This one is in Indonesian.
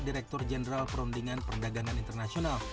direktur jenderal perundingan perdagangan internasional